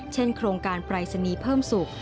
โครงการปรายศนีย์เพิ่มสุข